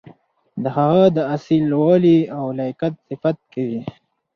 د هغه د اصیل والي او لیاقت صفت کوي.